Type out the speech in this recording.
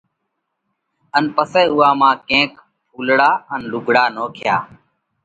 ان پسئہ اُوئا مانه ڪينڪ ڦُولڙا ان لُوگھڙا نوکيا۔